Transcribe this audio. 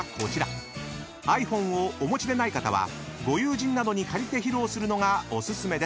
［ｉＰｈｏｎｅをお持ちでない方はご友人などに借りて披露するのがお薦めです］